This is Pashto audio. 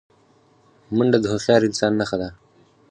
منډه د هوښیار انسان نښه ده